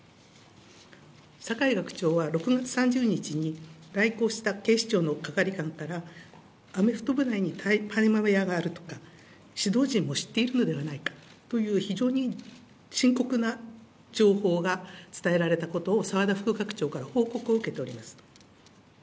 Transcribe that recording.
酒井学長は６月３０日に来校した警視庁の係官から、アメフト部内に大麻部屋があるとか、指導陣も知っているのではないかという非常に深刻な情報が伝えられたことを、澤田副学長から報告を受けております。